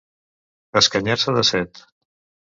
Escanyar-se de set.